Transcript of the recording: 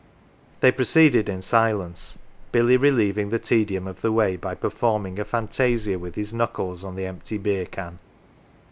They proceeded in silence, Billy relieving the tedium of the way by performing a fantasia with his knuckles on the empty beer can.